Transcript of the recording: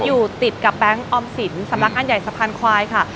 อยู่ติดกับแบงค์ออมสินสำนักงานใหญ่สะพานควายค่ะ